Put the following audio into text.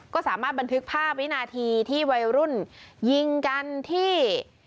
ก็สามารถบันทึกภาพวินาทีที่วัยรุ่นยิงกันที่